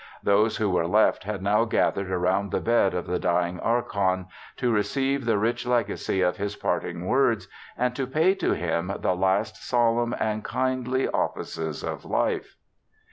Those who were left had now gathered around the bed of the dying Archon, to receive the rich legacy of his parting words, and to pay to him the last solemn and kindly offices of life.